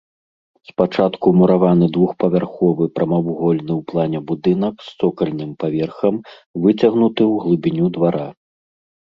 Спачатку мураваны двухпавярховы прамавугольны ў плане будынак з цокальным паверхам, выцягнуты ў глыбіню двара.